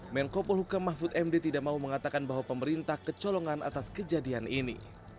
menko polhuka mahfud md tidak mau mengatakan bahwa pemerintah kecolongan atas kejadian ini